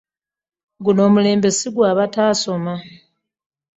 Guno omulembe si gwa bataasoma.